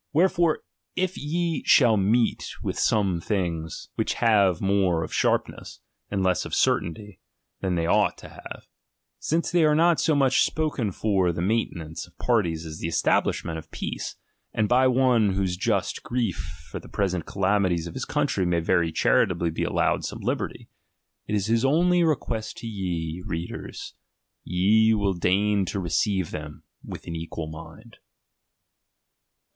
Wherefore, if ye shall meet with some things XXIV THE PREFACE. which have more of sharpness, and less of certainty than they ought to have, since they are not so much spoken for the maintenance of parties as the establishment of peace, and by one whose just grief for the present calamities of his country may very charitably be allowed some liberty ; it is his only request to ye, Readers, ye will deign to re ceive them with an equal mind.